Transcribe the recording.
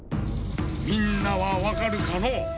⁉みんなはわかるかのう？